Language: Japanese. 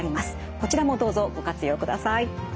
こちらもどうぞご活用ください。